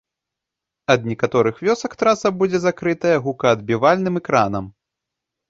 Ад некаторых вёсак траса будзе закрытая гукаадбівальным экранам.